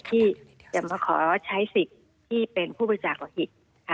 ที่จะมาขอใช้สิทธิ์ที่เป็นผู้ประจากหรือหิต